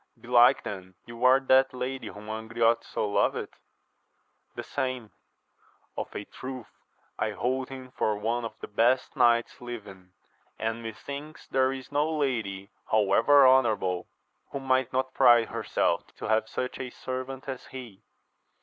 Belike then, you are that lady whom Angriote so loveth ?— The same. — Of a truth, I hold him for one of the best knights living, and methinks there is no lady, however honour able, who might not pride herself to have such a servant as he.